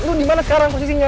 lo dimana sekarang posisinya